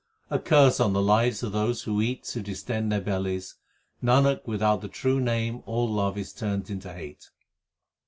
A curse on the lives of those who eat to distend their bellies Nanak, without the true Name all love is turned into hate.